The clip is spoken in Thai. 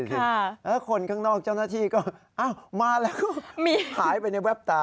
แล้วคนข้างนอกเจ้าหน้าที่ก็มาแล้วก็หายไปในแวบตา